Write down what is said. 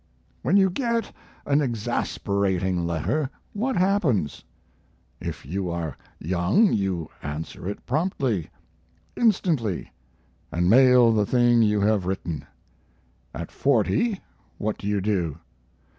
When you get an exasperating letter what happens? If you are young you answer it promptly, instantly and mail the thing you have written. At forty what do you do?